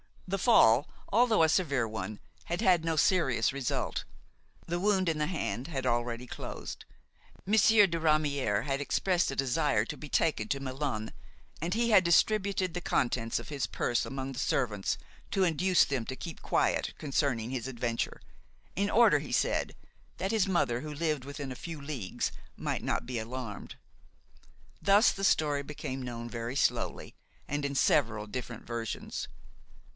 The fall, although a severe one, had had no serious result; the wound in the hand had already closed; Monsieur de Ramière had expressed a desire to be taken to Melun, and he had distributed the contents of his purse among the servants to induce them to keep quiet concerning his adventure, in order, he said, that his mother, who lived within a few leagues, might not be alarmed. Thus the story became known very slowly, and in several different versions.